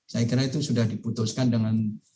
saya kira itu sudah diputuskan dengan